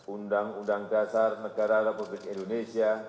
undang undang dasar negara republik indonesia